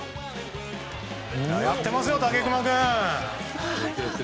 やってますよ、武隈君！